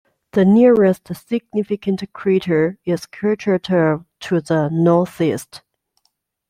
The nearest significant crater is Kurchatov to the northeast.